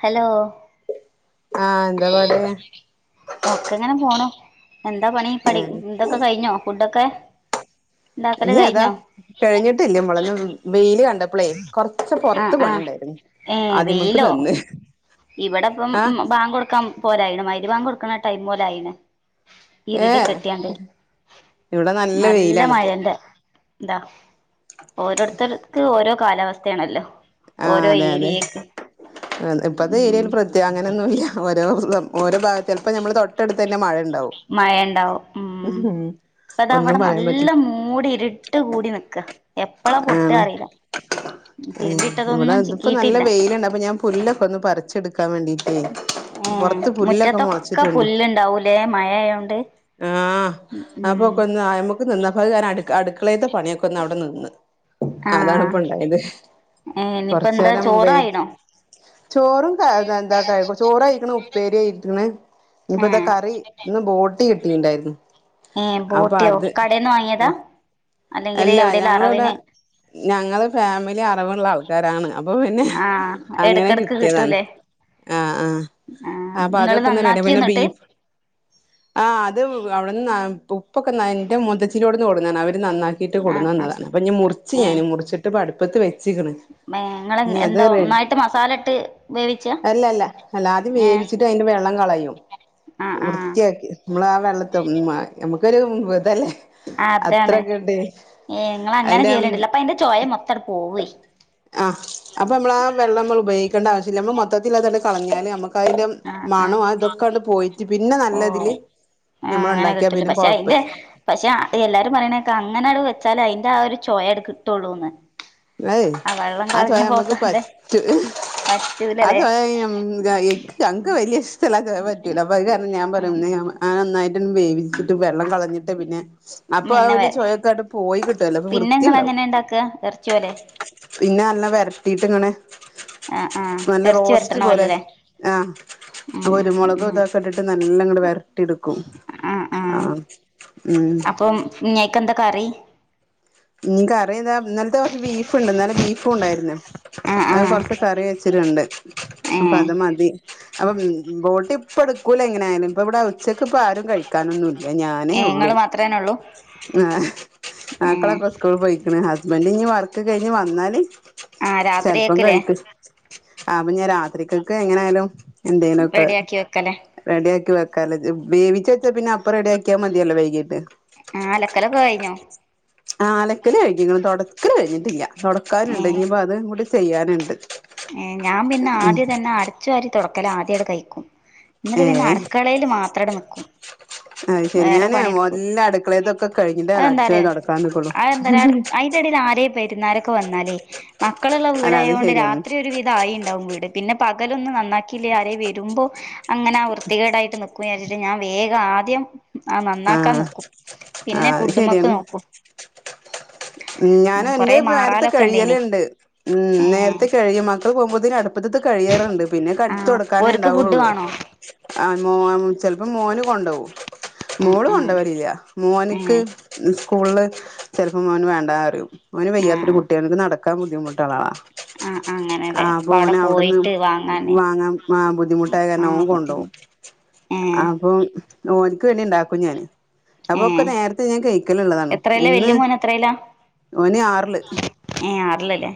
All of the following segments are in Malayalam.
ഹലോ. ആ എന്താ പാട്. ഒക്കെ ഇങ്ങനെ പോണു എന്താ പണി പടി ഉം ന്തൊക്കെ കഴിഞ്ഞോ ഫുഡൊക്കെ. ഉണ്ടാക്കല് ഇല്ല അതാ കഴിഞ്ഞോ കഴിഞ്ഞിട്ടില്ല മോളെ വെയില് കണ്ട അപ്പളെ കൊറച്ച് പൊറത്ത് ആഹ് ആഹ് പണിണ്ടായിരുന്നു ഏ അദ്മക്ക് വെയിലോ നിന്ന്. ഇവിടെ ഇപ്പം ആഹ് ബാ കൊടുക്കാൻ പോല ആയിണ് മൈരി വാങ് കൊടുക്കണ ടൈം പോലെ ആയി ണ്. ഇരുടി ഏഹ് കെട്ടിയണ്ട് ഇവിടെ നല്ല വെയിലാണ് ഇപ്പോ മഴയുണ്ട് ന്താ ഓരോരുത്തർക്ക് ഓരോ കാലാവസ്ഥയാണല്ലോ? ആഹ് ഓരോ അതെ അതെ ഏരിയക്ക്. ഇപ്പത്തെ ഉം ഏരിയയിൽ പ്രത്യ അങ്ങനെയൊന്നും ഇല്ല ഓരോ. ഓരോ ഭാഗത്തി ചെലപ്പോ ഞമ്മളെ തൊട്ടടുത്ത് തന്നെ മഴ ഇണ്ടാവും ഹു ഹും ഇപ്പ താ ഇവിടെ നല്ല മൂടി ഇരുട്ട് കൂടി നിക്കാ എപ്പളാ പൊട്ട ആണ് അറിയില്ല ഏഹ് ഇവിടെ തിരുമ്പിട്ടതൊന്നും ഇതിപ്പോ ചിക്കിയിട്ടില്ല. [unintelligible] പുല്ലൊക്കെ ഒന്ന് പറിച്ചെടുക്കാൻ വേണ്ടീട്ടേ... ഉം പൊറത്ത് പുല്ലൊക്കെ മുറ്റത്തൊക്കെ മൊളച്ചിട്ടുണ്ട് പുല്ലണ്ടാവൂലേ മഴയായോണ്ട്... ആഹ് അപ്പൊ കൊന്ന്യമക്ക് നിന്നപ്പോ ഞാൻ അടു അടുക്കളത്തെ പണിയൊക്കെ ഒന്ന് അവിടെ നിന്ന്.... ആഹ് അതാണ്പ്പ ഇണ്ടായത് ഏ ഇനിയിപ്പ കൊറച്ച് എന്താ നേരം വെയി. ചോറായിണോ ചോറും എന്ത ചോറയിരിക്കണ ഉപ്പേരി ആയിരിക്കണ ഏ ഇനിപ്പത്തൊ കറി.... ഇന്ന് ബോട്ടി കിട്ടിണ്ടായിരുന്നു.... ഏ അപ്പൊ ബോട്ടിയോ അത് കടന്ന് വാങ്ങിയതാ അല്ലെങ്കിൽ അല്ല എവിടെലും ഞങ്ങളിവിടെ അറവിന്..... ഞങ്ങള് ഫാമിലി അറവുള്ള ആൾക്കാരാണ് അപ്പൊ പിന്നെ ആഹ് അങ്ങനെ എടക്കെടക്ക് കിട്ടിയതാണ്.... കിട്ടൂലേ ആ ആഹ് ആ അപ്പൊ ഇങ്ങള് അതൊക്കെ ഒന്ന്റണ്ട നന്നാക്കിയോ പിന്നെ ന്നിട്ട് ബീഫ്.... ആ അത് അവിടുന്ന് ഉപ്പൊക്കെ നന്റെ മുത്തച്ചിലോടുന്ന് ടുങ്ങാണ് അവര് നന്നാക്ക... ട്ട് ആഹ് ആഹ് കൊടുന്നുന്നതാണ് അപ്പ ഇ മുറിച്ച് ഏ ഞാൻ മുറിച്ചിട്ട്പ്പൊ അടുപ്പടുത്ത് വെച്ചിണ്..... ഏ ഇങ്ങള് ഇനി അത് എന്താ റെഡ ഒന്നായിട്ട് മസാല ഇട്ട് വേവിച്ചാ അല്ല അല്ല അല്ലാ ത് ഏ വേവിച്ചി.... അതിന്റെ വെള്ളം കളയും ആഹ് ആഹ് വൃത്തിയാക്കി.... നമ്മള ആ വെള്ളത്തി നമുക്കൊരു ഇതല്ലേ അതാണ് അത്രൊക്കെ ഉണ്ട്..... ഏ നിങ്ങള് അങ്ങനെ ചെയ്ലേണ്ടില്ല അപ്പൊ അയിന്റെ ചോയ മൊത്തംടു പോവേ..... ആ അപ്പ നമ്മള ആ വെള്ളമ്മള് ഉപയോഗിക്കേണ്ട ആവശ്യമില്ല മ്മള് മൊത്തത്തിൽഅതെടുത്തു കളഞ്ഞേനെ.... അതിന്റെ ആഹ് മണ ആഹ് തൊക്കെയവിടുന്ന് പോയിറ്റ്പിന്നെ ഓ നല്ലതില.... ആ നമ്മള അങ്ങനെ ഉണ്ടാക്കിയാ കിട്ടില്ല പിന്നെ പക്ഷെ കൊഴപ്പ്..... അയിന്റെ പക്ഷെ എല്ലാരും പറയണേക്കെ അങ്ങനെ അവി വെച്ചാല് അതിന്റെ ആ ഒരു ചോയടു കിട്ടുള്ളൂന്ന്.... വയ് വെള്ളം ആ കളഞ്ഞു ചൊയ മ്മക്ക് പോക്കാതെ പറ്റും ആ പറ്റൂലല്ലേ ചൊയ ഈ മ്മക്ക് വലിയ ഇഷ്ടത്തി ചോ പറ്റൂല അപ്പൊ കാരണം ഞാൻ പറയ... ആൻ നന്നായിട്ട് വേവി..... ച്ചിട്ട് വെള്ളം കളഞ്ഞിട്ട് പിന്നെ അപ്പൊ പിന്നെ വ അവന്റെ ചുവയൊക്കൊയിട്ട് പോയി കിട്ടുവല്ലോ അപ്പൊ പിന്നെ വൃത്തിയ ഇങ്ങള് ഉണ്ടാവും. എങ്ങനെ ഇണ്ടാക്ക.. ക്കുലെ പിന്നെ [unintelligible] വരട്ടി റ്റ്ഇങ്ങനെ.... ആ ആ നല്ല ഇറച്ചി റോസ്റ്റ് വരട്ടണ പോലെ പോലല്ലേ ആ..... ഉം ഉം കുരുമുളക് ഉം ഇതൊക്കെ ഇട്ടിട്ട് നല്ല ഇങ്ങനെ വരട്ടി എടുക്കും.... ആ ഉം.... ങ്ങേക്ക് എന്താ കറി..... ഇനി കറിയതാ ഇന്നലത്തെ ദിവസം ബീഫ്ഉണ്ട് ഇന്നലെ ബീഫും ഉണ്ടായിരുന്നു..... ആ ആ അത് കൊറച്ച് കറി വെച്ചിട്ടുണ്ട് ഏ അപ്പ അത് മതി..... അപ്പം ബോട്ട് ഇപ്പ എടുക്കൂല എങ്ങനെയാലും ഇപ്പ ഇവിടെ ഉച്ചക്ക് ഇപ്പ ആരും കഴിക്കു.. ക്കാനൊന്നുമില്ല ഞാനേ ഏ ഉള്ളൂ ഇങ്ങള് മാത്രേന്നെ ഉള്ളൂ ആ. ഏ മക്കളൊക്കെ സ്കൂൾ പോയിക്കണ് ഹസ്ബൻഡ് ഇഞ്ഞ് വർക്ക് കഴിഞ്ഞ് വന്നാല് ആ ചിലപ്പം രാത്രിയേക്കില്ലേ കഴിക്കും.... ആഹ് അപ്പോ ഞാൻ രാത്കൾക്ക് എങ്ങനെ ആയാലും എന്തെേലുംക്കെ റെഡിയാക്കി വെക്കലേ റെഡിയാക്കി വെക്കാറ വേവിച്ച വെച്ചാ പിന്നെ അപ്പം റെഡിിയാക്കിയാൽ മതിയല്ലോ വൈകീട്ട് ആഹ് അലക്കലൊക്കെ കഴിഞ്ഞോ ആഹ് ആലക്കല് കഴിഞ്ഞി ഇങ്ങനെ തുടക്കല് കഴിഞ്ഞിട്ടില്ല തുടക്കാനുണ്ട് ഇനിപ്പൊ അതും കൂടി ചെയ്യാനുണ്ട് ഏഹ് ഞാൻ പിന്നെ ഉം ആദ്യം തന്നെ അടച്ചു വരി തുടക്കല ആദ്യമായിടെ കഴിക്കും ഏ എന്നിട്ട് പിന്നെ അടുക്കളയിൽ മാത്ര യ്ട്ട് നൽക്കും അഹ് ശരി ഞാന് വല്ല അടുക്കളേതൊക്കെ കഴിഞ്ഞിണ്ടേ അ അടിച്ച നടടക്കാൻ നക്കളു അതിന്റെടയിൽ ആരേ പെരുന്നാലാരൊക്കെ വന്നാലേ മക്കള്ള് ള അല്ല അത് വീടായത് കൊണ്ട് പിന്നെ ശരിയാണ് ഒരു വിതായിണ്ടാവു വീട് വരുമ്പോ അങ്ങനെ ആഹ് വൃത്തികേടായിട്ട് രിച്ചിട്ട് ഞാൻ വേഗം ആദ്യം ആ നന്നാക്കാൻ ആഹ് നിക്കും പിന്നെ ആഹ് ശരിയ ഫുഡ്മക്ക് ഉം നോക്കും ഞാന ഉം എന്റെ കൊറേ നേരത്തെ മാറാലൊക്കെ ഇണ്ടേനി കഴിയലുണ്ട് ഉം ഏ നേരത്തെ കഴിയും ഇ പോകുമ്പോ ഇെ അടുപ്പത്ത കഴിയാറു പിന്നെ ആ കടുത്ത് കൊടുക്കാനേ ഓര്ക്ക് ഫുഡ് ഉണ്ടാവയുള്ളൂ വേണോ ആഹ് മോൻ ചെിലപ്പോ മോന് കൊണ്ടുപോവൂ ആ മോളും കൊണ്ടോകലില്ല മോന്ക്ക് ആ സ്കൂളില് ചിലപ്പോ മോന് വേണ്ട പറയും ഓൻ ഏ വയ്യാത്തൊരു ആ കുട്ടികൾ നടക്കാൻ ബുദ്ധിമുട്ടള്ളതാ ആഹ് അങ്ങനെല്ലേ ആഹ് അപോ അപ്പൊ അവിടെ ഓനെ അവിടുന്ന് പോയിട്ട് വാങ്ങാന് വാങ്ങാൻ ആഹ് ബുദ്ധിമുട്ടായ കാരണം ഓൻ ആഹ് കൊണ്ടോകും. ബുദ്ധിമുട്ട് ഏഹ് അപ്പൊ ഓനിക്ക് വേണ്ടി ഉണ്ടാക്കും ഞാന് അപ്പൊക്കെ ഏഹ് നേരത്തെ ഞാൻ കഴിക്കല്ള്ളതാണ് എത്രയിലാ ഇന്ന് വല്യ മോൻ എത്രയിലാ ഓന് ആറില്- ഏഹ് ആറില്ലല്ലേ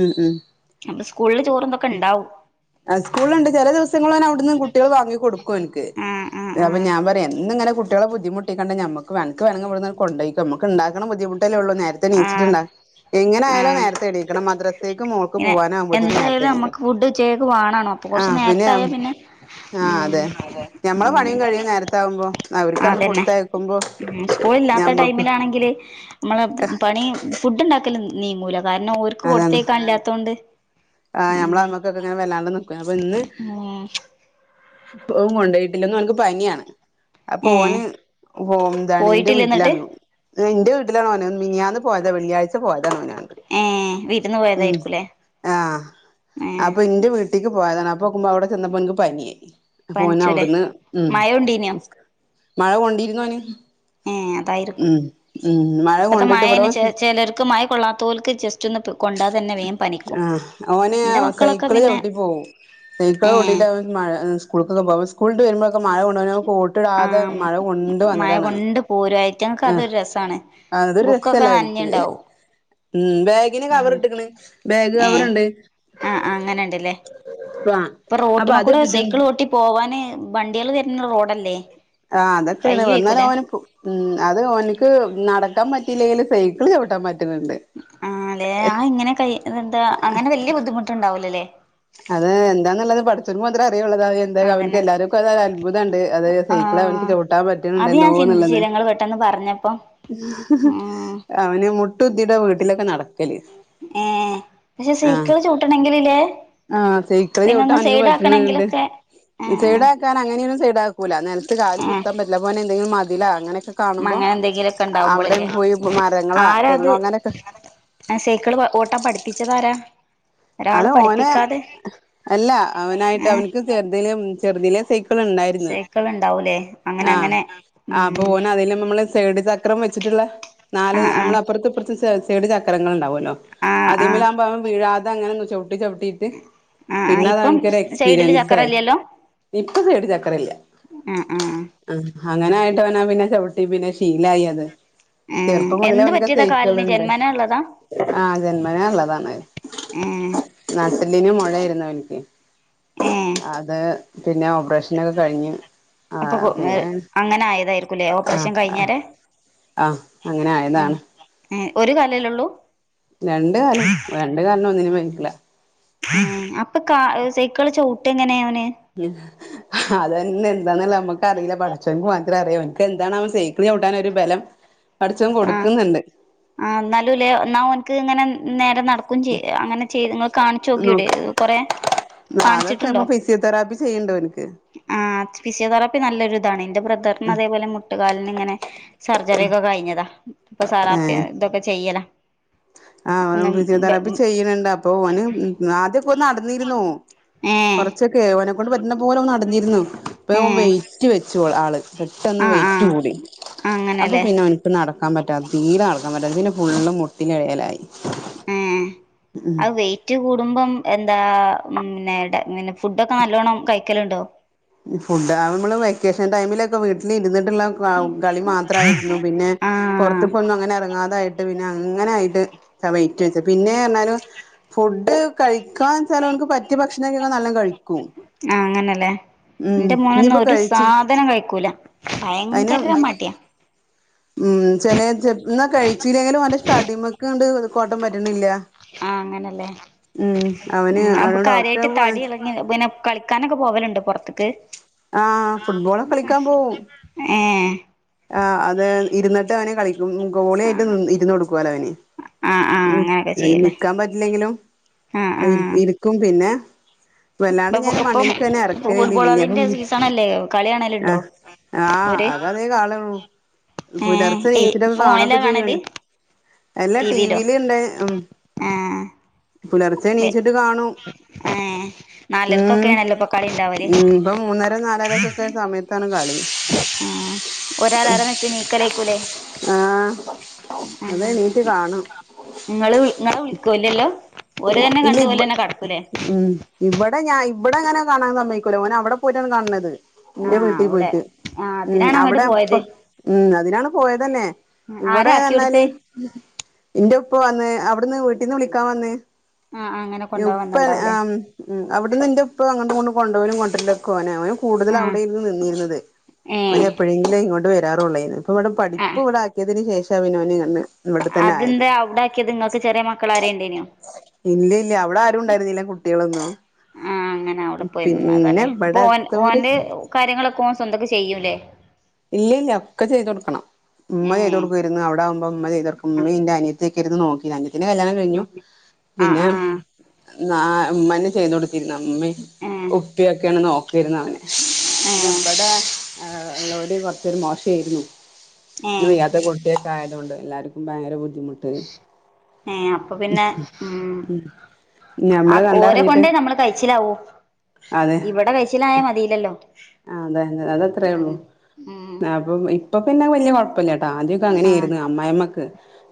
ഉം ഉം സ്കൂളില് ചോറ് ഇതോക്കെ ഉണ്ടാവും ആഹ് സ്കൂളുണ്ട് ചില ദിവസങ്ങലോന് അവിടുന്ന് കുട്ടികൾ വാങ്ങിക്കടുക്കും ഓന്ക്ക് ആഹ് ആഹ് അപ്പോ ഞാൻ ആഹ് എന്നും ഇങ്ങനെ കുട്ടികളെ ബുദ്ധിമുട്ടിക്കണ്ട നമക്ക് അനക്ക് വേണെങ്കിൽ ഇവിടുന്ന് കൊണ്ടയ്ക്കോ നമുക്ക് ഉണ്ട ബുദ്ധിമുട്ടല്ലേ ഉള്ളൂ നേരത്തെ ആഹ് നീച്ചിട്ടുണ്ടാ എങ്ങന ആായാലോ ആഹ് നേരത്തെ നീക്കണം മദ്ര അത്തേക്ക് മോക്ക് പോകാനാവുമ്പോത്തിന് നമ്മക്ക് ഫുഡ്ച്ചക്ക് വാണണോ അപ്പൊ കുറച്ച നേരത്തായ പിന്നെ ആഹ് ഉം അതെ ഞമ്മളെ ഉം പണിയും കഴിയും നേരത്തെ ആകുമ്പോ അവർക്കാണ് അതന്നെ കൊടുത്തയക്കുമ്പോ ഉം സ്കൂളില്ലാത്ത ഞമ്മക്ക് ടൈമിലാണെങ്കില് നമ്മളെ പണി ഫുഡ് ഉണ്ടാക്കലോ നീങ്ങൂല കാരണം അവര്ക്ക് അതാണ് കൊടുത്തേക്കാണല്ലാത്ത കൊണ്ട്- ആഹ് ഞമ്മള അമ്മക്കൊക്കെ ഇങ്ങനെ വല്ലാണ്ട് നിക്ബോ അപ്പൊ ഇന്ന് ഉം പോം കൊണ്ടു പോയി പിന്നെ ഓന്ക്ക് പനിയാണ് ആപ്പൊ ഏഹ് ഓന് പോ എന്താണ് എന്റെ പോയിട്ടില്ല എന്നിട്ട് വീട്ടിലാണു എന്റെ വീട്ടിലാണ് ഓന് മിനിയാന്ന് പോയത വെള്ളിയാഴ്ച പോയതാ മോനണ്ട് ഏഹ് വീട്ടിന്ന് പോയതായിരിക്കൂല്ലേ ആഹ് അപ്പൊ എന്റെ വീട്ടേക്ക് പോയതാണ് അപ്പ നോക്കുമ്പോ അവിടെ ചെന്നപ്പോ എനിക്ക് പനി. ഓന് പനിച്ചുല്ലേ അവിടുന്ന് ഉം മഴ ഉണ്ടീനോ മഴ കൊണ്ടിരുന്നൊന് ഏ അതായിരിക്കും ഉം ഉം മഴ ഇപ്പത്തെ കൊണ്ടിട്ട് ഇവിടെ മഴന് വന്ന്- ചിലർക്ക് മഴ കൊള്ളാത്തോൽക്ക് ജസ്റ്റ് ഒന്ന് കൊണ്ടാ തന്നെ വേം പനിക്കും ആഹ് ഓന് എന്റെ മക്കളൊക്കെ സൈക്കിള് പിന്നെ ചവിട്ടി പോകും സൈക്കിള് ഏ ചവുട്ടീറ്റ് മഴ സ്കൂൾക്കൊക്കെ പോക സ്കൂൾ ഇട്ട് വരുമ്പോഴൊക്കെ മഴ കൊണ്ട് കോട്ട് ഇടാതെ മഴ കൊണ്ട് വന്നതാണ്. പൂരമായിട്ടങ്ങക്കെ ആഹ് അതൊരു രസാണ് ആഹ് അതൊരു ബുക്കൊക്കെ രസല്ലേ അവർക്ക് നനഞ്ഞുണ്ടാവും ഉം ബാഗിന് കവർ ഉം ഇട്ട്ക്ണ് ബാഗ് ഏ കവറുണ്ട് ആ അങ്ങനെണ്ടല്ലേ ആഹ് ഇപ്പൊ റോട്ടിമ്മ കൂടെ സൈക്കിൾ ഓട്ടി പോവാന് വണ്ടികൾ വരുന്ന റോഡല്ലേ?? ആഹ് അതൊക്കെയാണ് വന്നാലും കയ്യോയ്ക്കൂലേ ഓന ഉം അത് ഓനിക്ക് നടക്കാൻ പറ്റിയില്ലെങ്കിൽ സൈക്കിള് ചവിട്ടാൻ പറ്റുന്നുണ്ട്. ആഹ് ല്ലെ ആഹ് ഇങ്ങനെ കൈ എന്താ അങ്ങനെ വലിയ ബുദ്ധിമുട്ടുണ്ടാവലല്ലേ- അത് എന്താന്നുള്ളത് പഠിച്ചോമ്പോ മാത്ര അറിയുള്ളൂ എന്ത അവനക്ക് അതന്നെ എല്ലാവർക്കും അത് അത്ഭുതണ്ട് അത് ആ സൈക്കിൾ അവന്ക്ക് ചവിട്ടാൻ അത് പറ്റണണ്ടല്ലോ ഞാൻ ള്ളത് ചിന്തിച്ചില്ല ഇങ്ങള് പെട്ടെന്ന് പറഞ്ഞപ്പോ അവന് മുട്ടുകുത്തിയിട്ടാ വീട്ടിലൊക്കെ നടക്ക് ഏഹ് പക്ഷെ ആഹ് സൈക്കിള് ചൗട്ടണെങ്കില് ലേ ആഹ് സൈക്കിള് ചൗട്ടാൻ ഓന്ക്ക് പറ്റ്ണ് ണ്ട് ആ സൈഡ ആക്കാൻ അങ്ങനെയൊര്സൈഡാകൂല നെൽത്ത് കാല് ആ കുത്താൻ പറ്റില്ല അപ്പൊ ഓന് എന്തെങ്കിലും മതിലാ അങ്ങനെക്കെ- കാണുമ്പോ അങ്ങനെ എന്തെങ്കിലൊക്കെ അവിടെ ഉണ്ടാവുമ്പോളില്ലേ പോയി മരങ്ങളാ തെങ്ങോ അങ്ങനെക്കെ ആ സൈക്കിള് പോ ഓട്ടാൻ പഠിപ്പിച്ചതാരാ ഒരാള് അത് ഓനെ പഠിപ്പിക്കാതെ അല്ല അവനായിട്ട് ഏ അവന്ക്ക് ചെറുതിലെ മ് ചെറുതിലെ സൈക്കി- ക്കിള് ഇണ്ടായിരുന്നു സൈക്കിൾ ഉണ്ടാവൂലേ അങ്ങനെ ആഹ് അങ്ങനെ അപ്പോ ഉം ഓനെ അതില് മ്മ മ്മള്- സൈഡ് ചക്രം വെച്ച്ട്ട്ള്ള നാല് ആ ആ നമ്മള അപ്പറത്തും ഇഷപ്പർത്ത വസൈഡ് ചക്രങ്ങൾ ഉണ്ടാവോല്ലോ ല്ലോ ആ ആ അതീമ്മലാവുമ്പം അവൻ വീഴാതെ അങ്ങനെന്ന് ചൗട്ടി ചൗട്ടി ആഹ് ആഹ് പിന്നെ അത് ഇപ്പം അവൻക്കൊരു സൈഡില് എക്സ്പീരിയൻസായി ചക്കരല്ലല്ലോ ഇപ്പ സൈഡ് ചക്രം ഇല്ല ആഹ് ആഹ് ആഹ് അങ്ങനെ ആയിട്ട് അവനാ പിന്നെ ചൗട്ടി പിന്നെ ശീലായി അത് ഏഹ് ചെർപ്പം മുതലേ എന്ത് അവൻക്ക് പറ്റിയതാ കാലിന് സെയ്ക്കള്ണ്ട് ജന്മനാ ഉള്ളതാ ആഹ് ജന്മനാള്ളതാണ് ഏഹ് നട്ടെല്ലിന് മൊഴായിരുന്നു അവൻക്ക് ഏഹ് അത് പിന്നെ ഓ പ്പറേഷനൊക്കെ കഴിഞ്ഞ് അപ്പൊ ആഹ് പിന്നെ അങ്ങനെ ആയതായിരിക്കുംല്ലേ ആഹ് ഓപ്പറേഷൻ അഹ് കഴിഞ്ഞേരെ ആഹ് അങ്ങനെ ഉം ആയതാണ് ഏഹ് ഒരു കാലിലല്ലേ ഒള്ളൂ രണ്ട് കാലും രണ്ട് കാലിനും ഒന്നിനും വയ്ക്കൂല അപ്പൊ കാ സൈക്കിള് ചൗട്ടഎങ്ങനെ അവന് ഉം അതന്നെ എന്താന്ന്ള്ള അമ്മക്ക് അറീല്ല പടച്ചോൻക്ക് മാത്രം അറിയോ ഓൻക്ക് എന്താണ്ണാവോ സൈക്കിള് ചൗട്ടാൻ ഒരു ബലം പടച്ചോൻ ആഹ് കൊടുക്കുന്നുണ്ട് ആഹ് എന്നാലുംല്ലേ എന്നാ ഓൻക്ക് ഇങ്ങനെ നേരെ നട് ക്കും ചെയ്യാ അങ്ങനെ ചെയ്ത്ങ്ങക്ക് കാണിച്ചോക്യൂടെ കൊറെ ന്നാളൊക്കെ കാണിച്ചിട്ടുണ്ടോ അയ്മെ ഫിസിയോതെറാപ്പി ചെയ്യ്ണ്ട് ഓന്ക്ക് ആഹ് ഫിസിയോതെറാപ്പി നല്ലൊരു ഇതാണെ ന്റെ ബ്രദർ ന്നഅതേപോലെ മുട്ടുകാലിന് ഇങ്ങനെ സർജറി ഒക്കെ കഴിഞ്ഞതാ ഇപ്പൊ സാറാപ്പി- ഏഹ് ഇതൊക്കെ ചെയ്യലാ ആഹ് ഫിസിയോതെറാപ്പി ചെയ്യണ് ണ്ട് അപ്പൊ ഓന് ആദ്യഒക്കെ ഓർ നടന്നിര്ന്നു ഏഹ് ഒക്കെ ഓനെക്കൊണ്ട് പറ്റ്ണ പോലെ ഓൻ നടന്നിരുന്നു ഇപ്പ ഓൻ ഏഹ് വെയിറ്റ് വെച്ചു ഓ ആള് പെട്ടന്ന് ആഹ് വെയ്റ്റ് ആഹ് കൂടി അപ്പൊ അങ്ങനെല്ലേ പിന്നെ ഓൻ- ക്ക് നടക്കാൻ പറ്റാതെ തീരെ നടക്കാൻ പറ്റാതെ പിന്നെ ഫുള്ളും മുട്ടിലെഴയലായ് ഏഹ് അഅ് വെയ് റ്റ് കൂടുമ്പം എന്താ മ് ന്നെടെ ഇങ്ങനെ ഫുഡൊക്കെ നല്ലോണ്ണം കഴിക്കല്ണ്ടോ ഫുഡ് ആഹ് അമ്മള് വെക്കേഷൻ ടൈമിലൊക്കെ വീട്ടില് ഇര്ന്ന്ട്ട്ള്ള വാവുംകളി മാത്രായിരുന്നു പിന്നെ ആഹ് പൊറത്ത്ക്കൊന്നും അങ്ങനെ എറങ്ങാതായിട്ട് പിന്നെ അങ്ങനെ ആയിട്ട് വെയ്റ്റ് വെച്ച് പിന്നെഅർഞ്ഞാലും ഫുഡ് കഴിക്കാന്ന്ച്ചാലും അവൻക്ക് പറ്റ്യ ഭക്ഷണങ്കില് നല്ലംകഴിക്കും ആഹ് അങ്ങനെല്ലേ ഇന്റെ മോനൊന്നും ഇനിയിപ്പോ ഒരു കഴിച്ച് സാധനം കഴിക്കൂല അതിന് ഭയങ്കര മട്യാ ഉം ചെലേ ച ഇന്നാ കഴിച്ചീല്ലെലും ഓന്റെ തടിമക്ക്ണ്ട് കോട്ടം പറ്റ്ണില്ല ആഹ് അങ്ങനല്ലേ ഉം അവന് അവന ഡോക്ടറെ കാണിച്ച് ങ്ങനെ പിന്നെ കളിക്കാനൊക്കെ പോവല്ണ്ട് പൊറത്ത്ക്ക് ആഹ് ഫുട്ബോളക്കെ കളിക്കാൻ പോവും ഏഹ് ആഹ് അതെ ഇരുന്നിട്ട് അവന് കളിക് ഗോളിയായിട്ട് ഇരുന്ന് കൊടുക്കോലോ ഇവന് ആഹ് ആഹ് ഉം അങ്ങനൊക്കെ ചെയ്യല്ലേ നിക്കാൻ പറ്റില്ലെങ്കിലും ആഹ് അ ആഹ് ഇരിക്കും പിന്നെ വല്ലാണ്ട് ഇപ്പൊ ഞാന് ഇപ്പം മണ്ണില്ക്കന്നെ ഫുട്ബോൾ ഇറക്കലില്ല അപ്പൊ കളിന്റെ ഉം സീസണല്ലേ കളി ആ കാണലുണ്ടോ ആഹ് ഓര് അത് അതേ കാളള്ളൂ ഏഹ് പുലർച്ചെ ഏ നീച്ച്റ്റൊക്കെ ഫോണിലാ കാണൊക്കെ ചെയ്യും കാണല് ഓന് അല്ല ടിവിയിലോ ടീവിൽ ഇണ്ട് ഉം ആഹ് പുലർച്ചെ വെ എണീച്ചിട്ട് കാണും ഏഹ് ഊം നാലരക്കൊക്കെയാണല്ലോ ഇപ്പൊ കളി ഇണ്ടാവല് ഉം ഇപ്പം മൂന്നര നാലരക്കൊക്കെ സമയത്താണ് കളി ആഹ് ഓര് അലാറം വെച്ച് നീക്കലേക്കൂലേ ആഹ് അ അത് ആഹ് എണീറ്റ് കാണും ഇങ്ങള് ഇങ്ങളെ വിളിക്കോ ഇല്ലല്ലോ ഓര് തന്നെ ഇല്ല കണ്ട് ഓര് ഇവ തന്നെ കെടക്കൂലേ ഉം ഇവിടെ ഞാൻ ഇവിടെ അങ്ങനെ കാണാൻ സമ്മയിക്കൂല്ല ഓൻ അവിടെ പോയിട്ടാണ് കാണ്ന്നത് ഇന്റെ ആഹ് വീട്ടിൽ അവിടെ പോയിട്ട് ആഹ് ഉം അതിനാണ് അങ്ങോട്ട് അവിടെ ഇപ്പ പോയത് ഉം അതിനാണ് പോയതന്നെ ആരാ ഇവിടെന്ന് ആക്കി പറഞ്ഞാൽ കൊടുത്തേ ഇന്റെ ഉപ്പ വന്ന് അവിടുന്ന് വീട്ടിൽന്ന് വിളിക്കാൻ വന്ന് ആഹ് അങ്ങനെ കൊണ്ടുപോവാൻ ഉപ്പ വന്നിണ്ടാവൂലേ ഉം അവിടന്ന് ഇന്റെ ഉപ്പ അങ്ങട്ടും ഇങ്ങട്ടും കൊണ്ടോരലും കൊണ്ടരലും ഓനെ ഓൻ കൂടുതലും ആഹ് അവിടെര്ന്ന് നിന്നിര്ന്നത് ഓന് ഏഹ് എപ്പോഴെങ്കിലും ഇങ്ങോട്ട് വരാറുള്ളേര്ന്ന് പ്പവിടെ പഠിപ്പ് ആഹ് ഇവിടെ ആക്കിയതിന് ശേഷം പിന്നെ ഓൻ ഇങ്ങനെ അതെന്തേ അവുടെ ആക്കിയത് ഇങ്ങക്ക് ചെറിയ മക്കൾ ആരേം ഉണ്ടേയ്നൊ ഇല്ല ഇല്ല അവിടെ ആ ക്ണ്ടരുന്നില്ല കുട്ടികളൊന്നും ആഹ് അങ്ങനെ അവിടെ പോയി പിന്നെ നിന്നതാല്ലേ അപ്പൊ ഓൻ ഇവിടെതോര് ഓന്റെ കാര്യങ്ങളൊക്കെ ഓൻ സ്വന്തക്ക്‌ ചെയ്യൂല്ലേ ഇല്ല ഇല്ല ഒക്കെ ചെയ്ത് കൊടുക്കണം ഉമ്മ ചെയ്തു ഏഹ് കൊടുക്കേ ന്ന് അവിടെ ആമ്പോ ഉമ്മ ചെയ്തൊട്ക്കും ഉമ്മേം ഇന്റെ അനിയത്തി ഒക്കെര്ന്ന് നോക്കിയത് അനിയത്തിന്റെ കല്യാണം കഴിഞ്ഞു. ആഹ് പിന്നെ ആഹ് ആഹ് ഉമ്മന്നെ ചെയ്ത് കൊട് പിന്നെ ഉമ്മീം ഏഹ് ഉപ്പിയൊക്കെ ആണ് നോക്കിര്ന്ന് അവനെ. പിന്നെ ഏഹ് ഇബടെ ഇള്ളോര് കുറച്ചൊരു മോശേര്ന്നു പിന്നെ ഏഹ് വയ്യാത്തെ കു ട്ടി ഒക്കെ ആയതുകൊണ്ട് എല്ലാര്ക്കും ഭയങ്കര ബുദ്ധിമുട്ട് ഏഹ് അപ്പൊപിന്നെ ഉം ഞമ്മള് ആഹ് ഓരെ കണ്ടറിഞ്ഞിട്ട് കൊണ്ടേ നമ്മള് കയിച്ചിലാവൂ ഇവിടെ കയി ച്ചിലായ മതില്ലല്ലോ ആ അതെ അത് അത്രേ ഉള്ളൂ ഉം അപ്പം ഇപ്പൊ പിന്നെ വലിയ കൊയ പ്പല്ല്യട്ടാ ആദ്യൊക്കെ അങ്ങനെ ആഹ് ഏര്ന്ന് അമ്മായമ്മക്ക്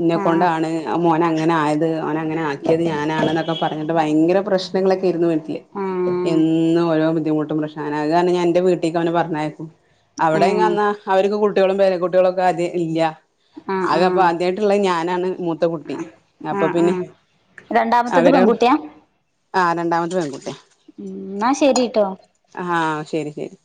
ഇന്നെ ആഹ് കൊണ്ടാണ് ആ മോൻ അങ്ങനെ ആയത്. ഓനെ അങ്ങനെ ആക്കിയത് ഞാനാണെന്നൊക്കെ പറഞ്ഞിട്ട് ഭയങ്കര പ്രശ്നങ്ങളൊക്കെ ഏരുന്നു വീട്ടില് ആഹ് എന്നും ഓരോ ബുദ്ധിമുട്ടും പ്രശ്നോം അത് കാരണം ഞാൻ ഇന്റെ വീട്ടീക്ക് അവനെ പറഞ്ഞയക്കും അവിടെങ്ങ ആഹ് ന്നാ അവര്ക്ക് കുട്ടികളും പേരടക്കുട്ട്യളും ഒക്കെ ആദ്യേ ഇല്ല അത് അപ്പൊ ആഹ് ആദ്യയിട്ടുള്ള ഞാനാണ് മൂത്ത കുട്ടി അപ്പൊ ആഹ് പിന്നെ ആഹ് രണ്ടാമത്തത് പെൺകുട്ടിയാ ആ രണ്ടാമത്തെ പെൺകുട്ട്യാ ഉം ന്നാ ശെരിട്ടോ ആഹ് ശരി ശരി